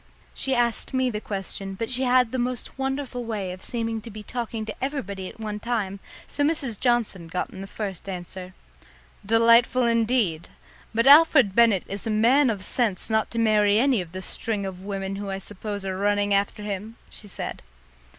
She asked me the question, but she had the most wonderful way of seeming to be talking to everybody at one time, so Mrs. Johnson got in the first answer. "Delightful indeed! But Alfred Bennett is a man of sense not to marry any of the string of women who I suppose are running after him!" she said.